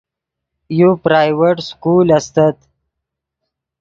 یو پرائیویٹ سکول استت